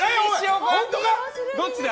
どっちだ？